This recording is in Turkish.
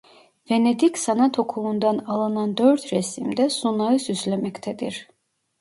Venedik sanat okulundan alınan dört resim de sunağı süslemektedir.